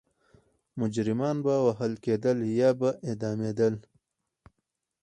مجرمان به وهل کېدل یا به اعدامېدل.